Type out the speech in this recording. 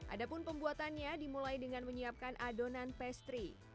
adapun pembuatannya dimulai dengan menyiapkan adonan pastry